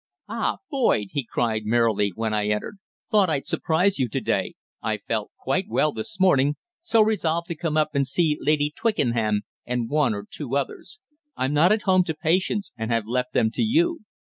"Ah! Boyd," he cried merrily, when I entered. "Thought I'd surprise you to day. I felt quite well this morning, so resolved to come up and see Lady Twickenham and one or two others. I'm not at home to patients, and have left them to you."